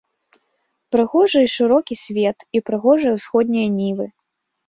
Прыгожы і шырокі свет, і прыгожыя ўсходнія нівы.